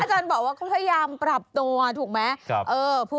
อาจารย์บอกว่าเขาพยายามปรับตัวถูกไหม